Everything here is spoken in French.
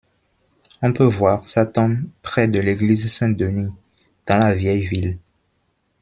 On peut voir sa tombe près de l'église Saint-Denis, dans la vieille ville.